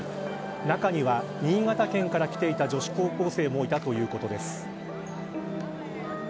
中には、新潟県から来ていた女子高校生もいたということです。